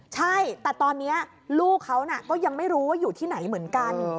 ใช่แต่ตอนนี้ลูกเขาก็ยังไม่รู้ว่าอยู่ที่ไหนเหมือนกัน